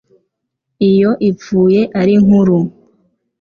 iyo ipfuye ari nkuru,